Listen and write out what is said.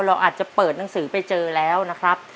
เราอาจจะเปิดหนังสือไปเจอแล้วนะครับ